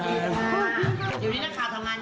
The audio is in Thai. อันนี้ต้องมา